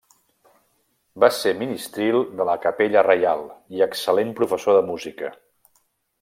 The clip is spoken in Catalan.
Va ser ministril de la capella reial i excel·lent professor de música.